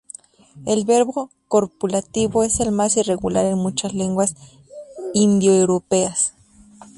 El verbo copulativo es el más irregular en muchas lenguas indoeuropeas.